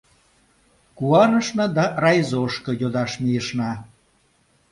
Куанышна да райзошко йодаш мийышна.